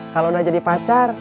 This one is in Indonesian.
kalau udah jadi pacar